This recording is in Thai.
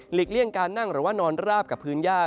เลี่ยงการนั่งหรือว่านอนราบกับพื้นย่า